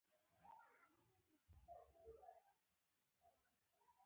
د زراعتي پروژو لپاره د نوې ټکنالوژۍ کارول لازمي دي.